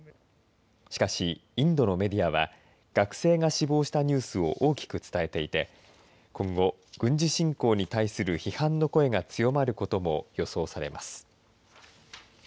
しかし、インドのメディアは学生が死亡したニュースを大きく伝えていて今後軍事侵攻に対する批判の声が強まることも予想されます。